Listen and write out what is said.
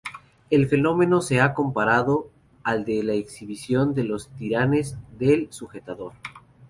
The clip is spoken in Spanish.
El fenómeno se ha comparado al de la exhibición de los tirantes del sujetador.